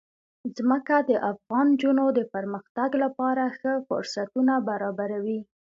ځمکه د افغان نجونو د پرمختګ لپاره ښه فرصتونه برابروي.